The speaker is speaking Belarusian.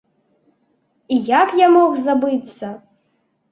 І як я мог забыцца!